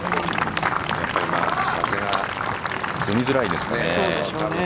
やっぱり風が読みづらいですね。